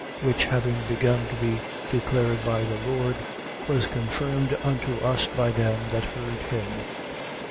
Which, having begun to be declared by the Lord, was confirmed unto us by them that heard him.